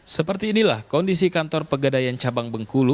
seperti inilah kondisi kantor pegadaian cabang bengkulu